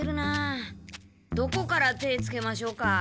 どこから手ぇつけましょうか？